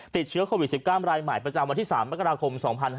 ติดเชื้อโควิด๑๙รายใหม่ประจำวันที่๓มกราคม๒๕๕๙